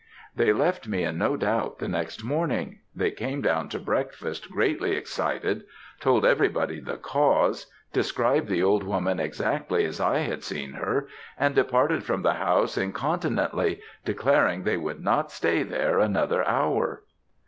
They left me in no doubt the next morning. They came down to breakfast greatly excited told everybody the cause described the old woman exactly as I had seen her, and departed from the house incontinently, declaring they would not stay there another hour."